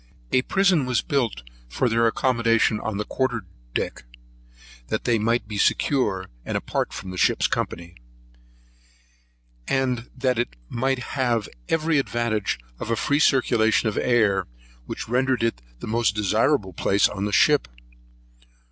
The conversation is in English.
A prison was built for their accommodation on the quarter deck, that they might be secure, and apart from our ship's company; and that it might have every advantage of a free circulation of air, which rendered it the most desirable place in the ship.